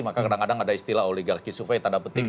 maka kadang kadang ada istilah oligarki survei tanda petik